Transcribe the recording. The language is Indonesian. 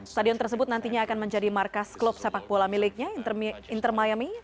stadion tersebut nantinya akan menjadi markas klub sepak bola miliknya inter miami